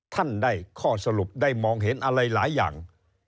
ท่านได้ข้อสรุปได้มองเห็นอะไรหลายอย่าง